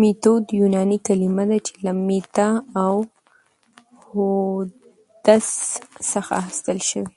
ميتود يوناني کلمه ده چي له ميتا او هودس څخه اخستل سوي